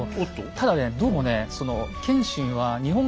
ただねどうもね